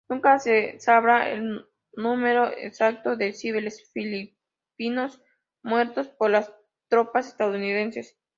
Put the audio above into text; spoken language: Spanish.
Nunca se sabrá el número exacto de civiles filipinos muertos por las tropas estadounidenses.